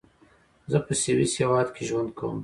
زۀ پۀ سويس هېواد کې ژوند کوم.